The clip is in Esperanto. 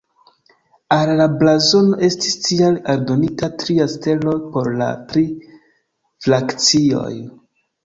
Al la blazono estis tial aldonita tria stelo por la tri frakcioj.